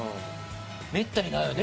めったにないよね。